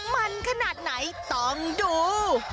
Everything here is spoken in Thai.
มันขนาดไหนต้องดู